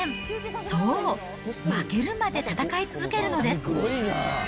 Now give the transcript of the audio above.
そう、負けるまで戦い続けるのです。